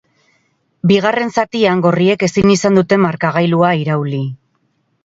Bigarren zatian gorriek ezin izan dute markagailua irauli.